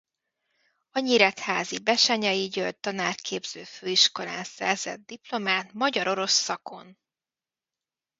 A nyíregyházi Bessenyei György Tanárképző Főiskolán szerzett diplomát magyar-orosz szakon.